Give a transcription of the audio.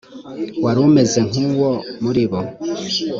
wari umeze nk’uwo muri bo